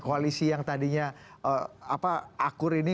koalisi yang tadinya akur ini